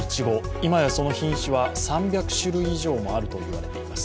今やその品種は３００種類以上もあるといわれています。